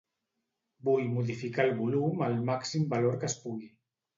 Vull modificar el volum al màxim valor que es pugui.